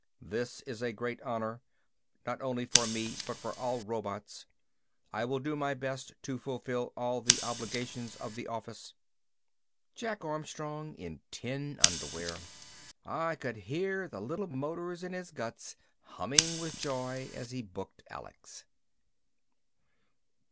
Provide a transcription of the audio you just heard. "This is a very great honor, not only for me but for all robots. I will do my best to fulfill all the obligations of the office." Jack Armstrong in tin underwear. I could hear the little motors in his guts humming with joy as he booked Alex.